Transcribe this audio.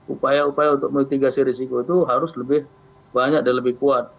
upaya upaya untuk memitigasi risiko itu harus lebih banyak dan lebih kuat